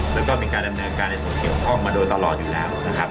และก็มีการดำเนินการในส่วนเข็มครองมรดีตลอดอยู่แล้วนะครับ